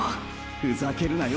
ふざけるなよ